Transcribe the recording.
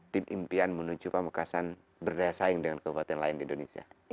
dan impian menuju pamekasan berdaya saing dengan kekuatan lain di indonesia